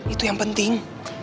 itu yang penting